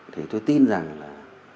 thì tôi tin rằng là